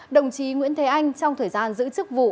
đồng chí nguyễn thế anh trong thời gian giữ chức vụ